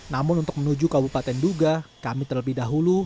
namun untuk menuju kabupaten duga kami terlebih dahulu